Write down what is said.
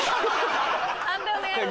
判定お願いします。